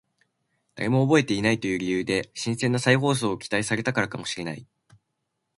誰も覚えていないという理由で新鮮な再放送を期待されたからかもしれない